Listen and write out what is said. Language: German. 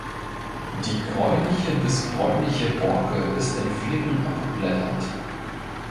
Die gräuliche bis bräunliche Borke ist in Flicken abblätternd.